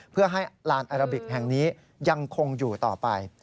เพื่อให้ลานแอราบิกแห่งนี้ยังคงอยู่ต่อไป